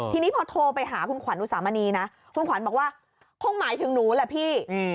ทีนี้พอโทรไปหาคุณขวัญอุสามณีนะคุณขวัญบอกว่าคงหมายถึงหนูแหละพี่